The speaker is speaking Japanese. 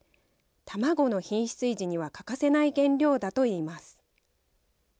卵の品質維持には欠かせない原料だといいます。